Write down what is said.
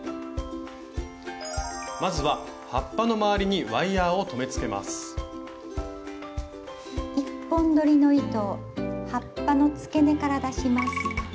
まずは葉っぱの周りに１本どりの糸を葉っぱのつけ根から出します。